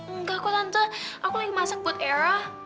enggak kok tante aku lagi masak buat erah